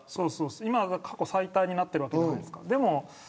今が過去最多になっているわけじゃないですか。